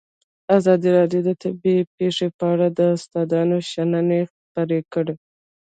ازادي راډیو د طبیعي پېښې په اړه د استادانو شننې خپرې کړي.